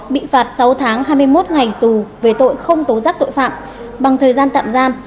bị phạt sáu tháng hai mươi một ngày tù về tội không tố giác tội phạm bằng thời gian tạm giam